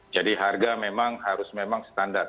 jadi harga memang harus memang standar